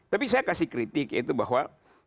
tapi saya kasih kritik yaitu bahwa